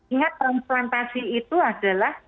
ingat transplantasi itu adalah